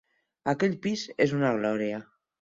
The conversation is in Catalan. Aquell pis és una glòria.